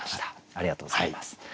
ありがとうございます。